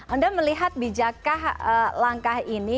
anda melihat bijakkah langkah ini